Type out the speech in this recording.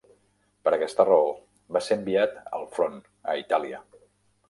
Per aquesta raó, va ser enviat al front a Itàlia.